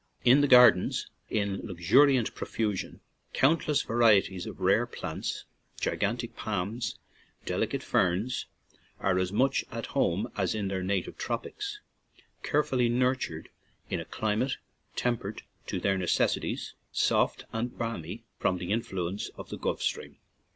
In the gardens, in luxuri ant profusion, countless varieties of rare plants, gigantic palms, delicate ferns, are as much at home as in their na tive tropics, carefully nurtured in a cli mate tempered to their necessities, soft and balmy from the influence of the Gulf Stream.